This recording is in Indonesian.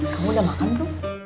kamu udah makan belum